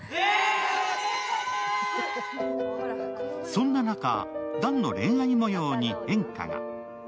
そんな中、弾の恋愛もように変化が。